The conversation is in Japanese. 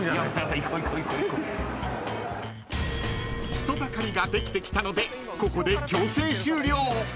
［人だかりができてきたのでここで］